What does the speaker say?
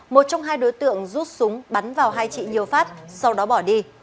một trong hai đối tượng rút súng bắn vào hai chị nhiều phát sau đó bỏ đi